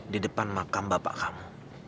di depan makam bapak kamu